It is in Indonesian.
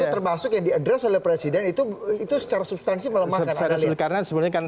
terima kasih yang diadres oleh presiden itu itu secara substansi melemahkan karena sebenarnya kan